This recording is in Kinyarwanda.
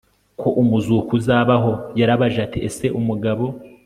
ko umuzuko uzabaho Yarabajije ati ese umugabo